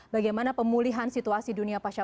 bagaimana pemulihan situasi dunia pasca